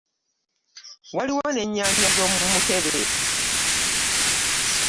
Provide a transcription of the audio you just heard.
Waliwo ne nnyaanya z'omu mikebe.